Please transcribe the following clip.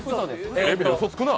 テレビでうそつくな！